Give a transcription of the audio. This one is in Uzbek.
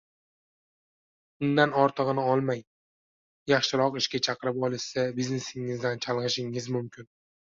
undan ortig‘ini olmang, yaxshiroq ishga chaqirib qolishsa, biznesingizdan chalg‘ishingiz mumkin.